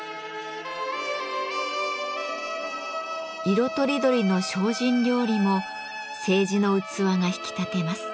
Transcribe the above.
色とりどりの精進料理も青磁の器が引き立てます。